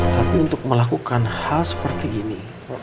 tapi untuk melakukan hal seperti ini